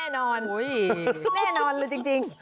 แน่นอนแน่นอนเลยจริง